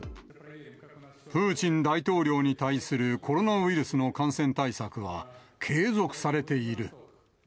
プーチン大統領に対するコロナウイルスの感染対策は継続されている。